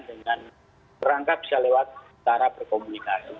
dengan rangka bisa lewat cara berkomunikasi